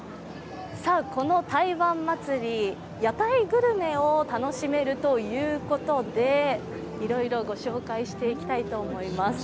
この台湾祭、屋台グルメを楽しめるということでいろいろご紹介していきたいと思います。